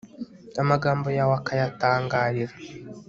amagambo yawe akayatangarira